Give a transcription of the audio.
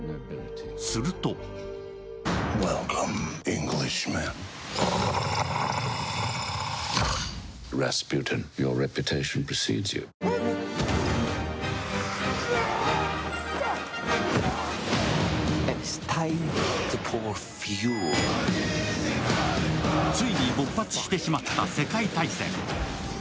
するとついに勃発してしまった世界大戦。